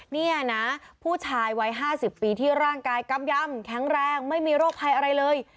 นี่นะผู้ชายวัย๕๐ปีที่ร่างกายกำยำแข็งแรงไม่มีโรคภัยอะไรเลย